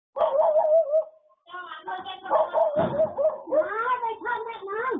ก็ยังพ่อนี้